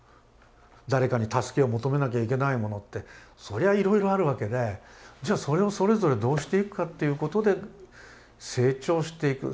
誰かに助けを求めなきゃいけないものってそりゃいろいろあるわけでじゃそれをそれぞれどうしていくかっていうことで成長していく。